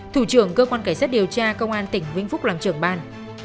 thủ trưởng cơ quan cải sát điều tra công an tỉnh nguyễn phúc làm trưởng ban